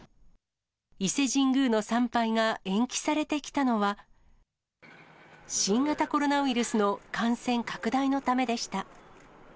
伊勢神宮の参拝が延期されてきたのは、新型コロナウイルスの感染拡大のためでした。